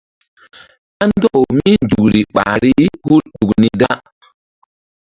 Kandɔkaw mí nzukri ɓahri hul ɗuk niri da.